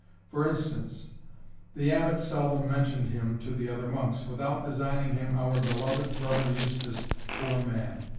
For instance, the Abbot seldom mentioned him to the other monks, without designing him our beloved Brother Eustace, poor man!